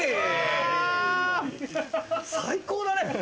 最高だね！